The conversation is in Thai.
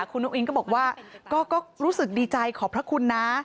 คุณอุ้งอิงก็บอกว่าก็รู้สึกดีใจขอบพระคุณนะ